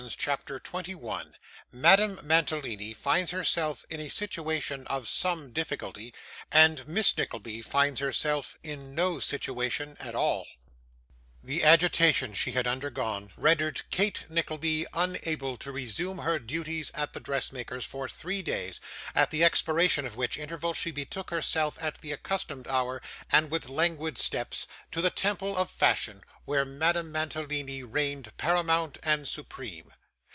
CHAPTER 21 Madam Mantalini finds herself in a Situation of some Difficulty, and Miss Nickleby finds herself in no Situation at all The agitation she had undergone, rendered Kate Nickleby unable to resume her duties at the dressmaker's for three days, at the expiration of which interval she betook herself at the accustomed hour, and with languid steps, to the temple of fashion where Madame Mantalini reigned paramount and supreme.